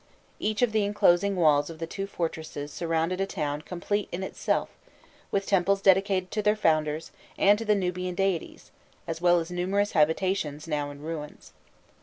Each of the enclosing walls of the two fortresses surrounded a town complete in itself, with temples dedicated to their founders and to the Nubian deities, as well as numerous habitations, now in ruins.